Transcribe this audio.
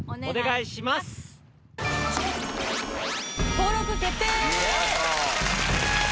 登録決定！